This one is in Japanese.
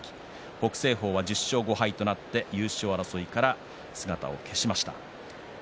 北青鵬は１０勝５敗となって優勝争いから姿を消しました。